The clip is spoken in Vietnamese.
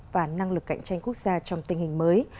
và năng lực cạnh tranh quốc gia trong tình hình mới